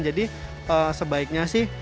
jadi sebaiknya sih